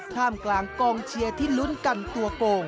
ท่ามกลางกองเชียร์ที่ลุ้นกันตัวโกง